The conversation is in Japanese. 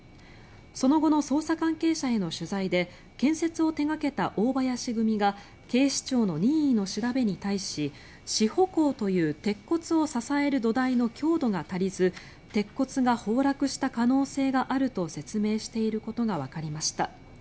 その後の捜査関係者への取材で建設を手掛けた大林組が警視庁の任意の調べに対し支保工という鉄骨を支える土台の強度が足りず鉄骨が崩落した可能性があると説明していることがわかりました。